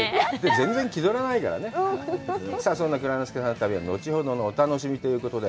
全然気取らないから、そんな蔵之介さんの旅は後ほどのお楽しみということで。